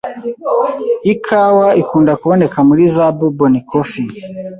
ikawa ikunda kuboneka muri za boubon coffee